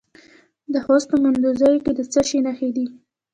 د خوست په مندوزیو کې د څه شي نښې دي؟